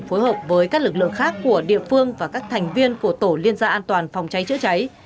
phối hợp với các lực lượng khác của địa phương và các thành viên của tổ liên gia an toàn phòng cháy chữa cháy